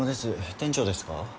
店長ですか？